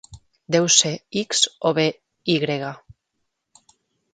Deu ser "X" o bé "Y".